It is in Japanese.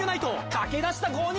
駆け出した５人！